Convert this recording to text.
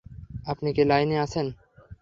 আপনি কি লাইনে আছেন?